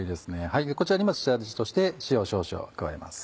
こちらに下味として塩を少々加えます。